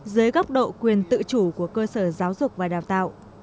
dưới góc độ quyền tự chủ của cơ sở giáo dục và đào tạo